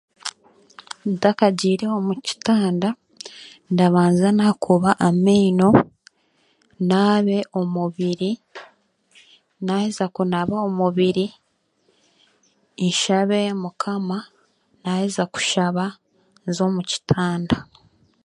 Ntakagiire omu kitanda, ndabanza naakuuba amaino, naabe omubiri, naaheza kunaaba omubiri, nshabe mukama naaheeza kushaba, nze omu kitanda.